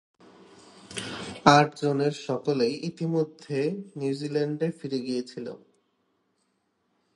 আট জনের সকলেই ইতিমধ্যেই নিউজিল্যান্ডে ফিরে গিয়েছিল।